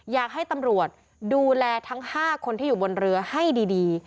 อยากให้ตำรวจดูแลทั้ง๕คนที่อยู่บนเรือให้ดี